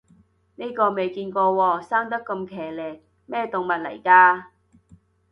呢個未見過喎，生得咁奇離，咩動物嚟㗎